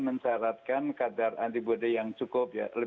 mencaratkan kadar antibody yang cukup ya